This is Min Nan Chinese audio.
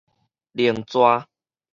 另逝